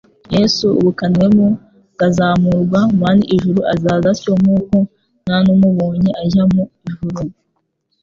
Yesu ubaknwemo akazamurwa mn ijuru, azaza atyo nk'uko nnumubonye ajya mu ijuru.»